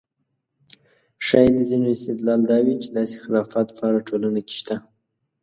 ښایي د ځینو استدلال دا وي چې داسې خرافات په هره ټولنه کې شته.